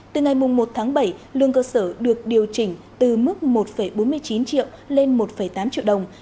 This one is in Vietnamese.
từ ngày một tháng bảy lương cơ sở được điều chỉnh từ mức một bốn mươi chín triệu lên một tám triệu đồng